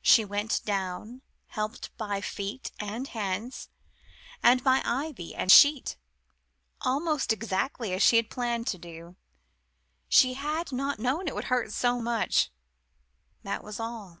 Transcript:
She went down, helped by feet and hands, and by ivy and sheet, almost exactly as she had planned to do. She had not known it would hurt so much that was all.